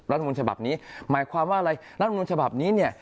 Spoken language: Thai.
รัฐมนุชฉบับนี้